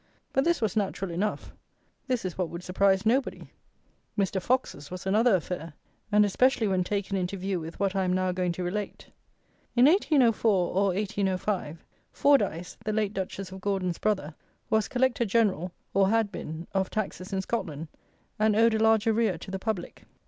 But this was natural enough; this is what would surprise nobody. Mr. Fox's was another affair; and especially when taken into view with what I am now going to relate. In 1804 or 1805, Fordyce, the late Duchess of Gordon's brother, was Collector General (or had been) of taxes in Scotland, and owed a large arrear to the public.